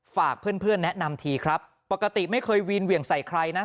ฝากเพื่อนเพื่อนแนะนำทีครับปกติไม่เคยวีนเหวี่ยงใส่ใครนะ